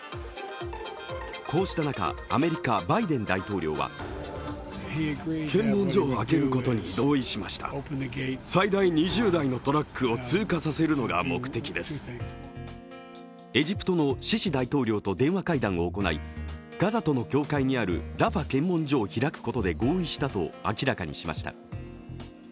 こうした中、アメリカバイデン大統領はエジプトのシシ大統領と電話会談を行いガザとの境界にあるラファ検問所を開くことで合意したと明らかにしました。